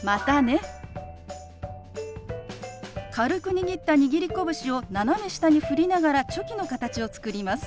軽く握った握り拳を斜め下に振りながらチョキの形を作ります。